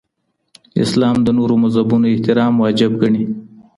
اسلام د نورو مذهبونو احترام واجب ګڼي.